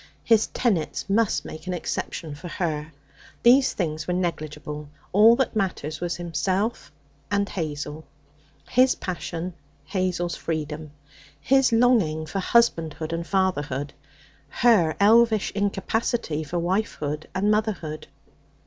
His tenets must make an exception for her. These things were negligible. All that mattered was himself and Hazel; his passion, Hazel's freedom; his longing for husbandhood and fatherhood, her elvish incapacity for wifehood and motherhood.